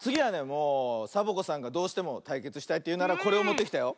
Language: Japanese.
もうサボ子さんがどうしてもたいけつしたいというならこれをもってきたよ。